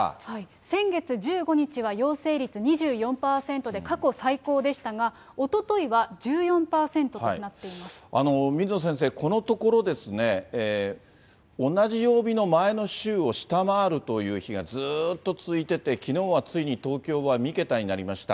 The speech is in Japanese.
先月１５日は陽性率２４％で過去最高でしたが、水野先生、このところですね、同じ曜日の前の週を下回るという日が、ずっと続いてて、きのうはついに東京は３桁になりました。